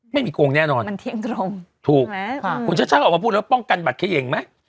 ไม่มีโกงแน่นอนมันเทียงตรงถูกคุณชัดก็ออกมาพูดว่าป้องกันบัตรเคยียงไหม